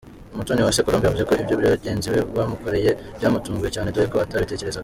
Umutoniwase Colombe yavuze ko ibyo bagenzi be bamukoreye byamutunguye cyane dore ko atabitekerezaga.